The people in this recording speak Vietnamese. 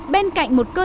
bên cạnh một cơ hội